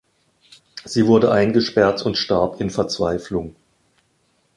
Sie wurde eingesperrt und starb in Verzweiflung.